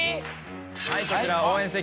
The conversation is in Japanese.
はいこちら応援席